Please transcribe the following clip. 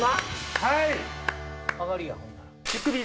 はい！